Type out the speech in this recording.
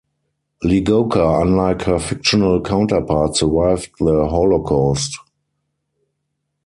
Ligocka, unlike her fictional counterpart, survived the Holocaust.